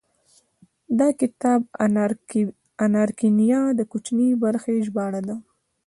دا کتاب اناکارينينا د کوچنۍ برخې ژباړه ده.